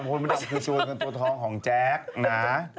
คนมดำคือตัวเงินตัวทองของแจ๊กนะ